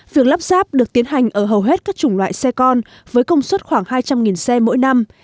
việc lắp ráp được tiến hành ở hầu hết các chủng loại xe con với công suất khoảng hai trăm linh xe mỗi năm